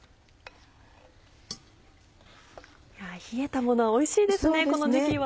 冷えたものはおいしいですねこの時期は。